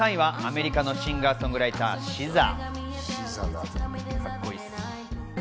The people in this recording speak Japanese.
３位はアメリカのシンガー・ソングライター、ＳＺＡ。